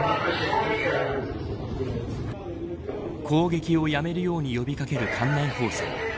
攻撃をやめるように呼びかける館内放送。